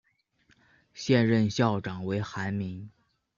现任校长为韩民。